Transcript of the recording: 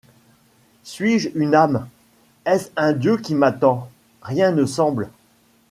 Suis-je une âme ? est-ce un Dieu qui m’attend ? Rien ne semble